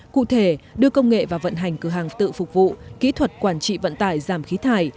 cụ thể đưa công nghệ vào vận hành cửa hàng tự phục vụ kỹ thuật quản trị vận tải giảm khí thải